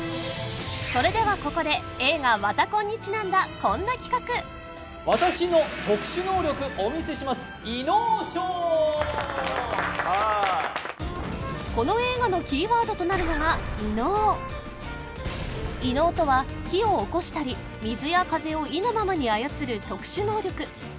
それではここで映画「わた婚」にちなんだこんな企画やったこの映画のキーワードとなるのが異能異能とは火をおこしたり水や風を意のままに操る特殊能力